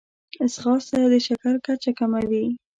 ځغاسته د شکر کچه کموي